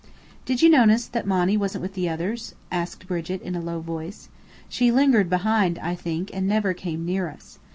"Did you notice that Monny wasn't with the others?" asked Brigit, in a low voice. "She lingered behind, I think, and never came near us.